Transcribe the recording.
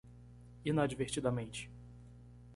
Inadvertidamente